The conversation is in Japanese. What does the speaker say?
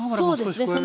そうですね。